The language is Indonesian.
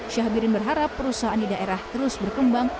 syahbirin berharap perusahaan di daerah terus berkembang